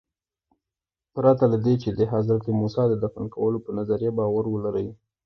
پرته له دې چې د حضرت موسی د دفن کولو په نظریه باور ولرئ.